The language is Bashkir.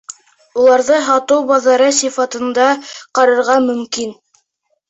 Уларҙы һатыу баҙары сифатында ҡарарға мөмкин.